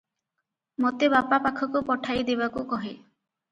ମୋତେ ବାପା ପାଖକୁ ପଠାଇ ଦେବାକୁ କହେ ।